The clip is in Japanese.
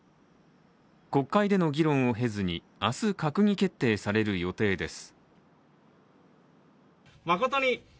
国会での議論を経ずに明日、閣議決定される予定です。